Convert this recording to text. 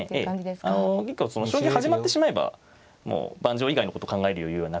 あの結構将棋始まってしまえばもう盤上以外のこと考える余裕はなくなってくるので。